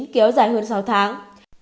kéo dài hơn sáu tháng